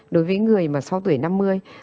đối với người mà sau tuổi năm mươi